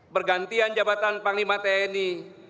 bergantian jabatan panglima tni